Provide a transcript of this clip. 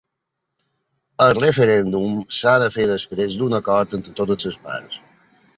El referèndum s’ha de fer després d’un acord entre totes les parts.